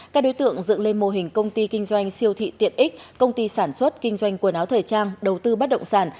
các đối tượng dựng lên mô hình công ty kinh doanh siêu thị tiện ích công ty sản xuất kinh doanh quần áo thời trang đầu tư bắt động sản